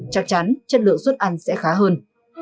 chắc chắn chất lượng suất ăn sẽ khá hơn